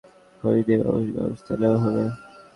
এখন কেন টাকা আদায় করা হচ্ছে, খোঁজ নিয়ে ব্যবস্থা নেওয়া হবে।